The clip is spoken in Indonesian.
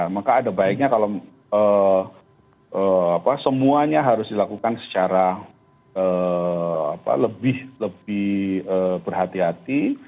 maka ada baiknya kalau semuanya harus dilakukan secara lebih berhati hati